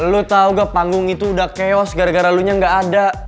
lu tahu nggak panggung itu udah chaos gara gara lunya nggak ada